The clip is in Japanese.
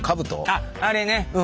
あっあれね。